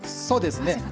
そうですね。